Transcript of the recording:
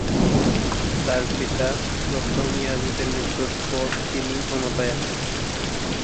তার পিতা প্রথম ইয়াজিদের মৃত্যুর পর তিনি ক্ষমতায় আসেন।